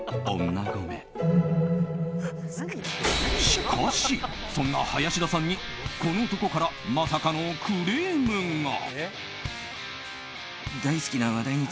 しかし、そんな林田さんにこの男からまさかのクレームが。